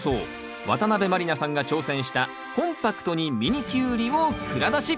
渡辺満里奈さんが挑戦した「コンパクトにミニキュウリ！」を蔵出し！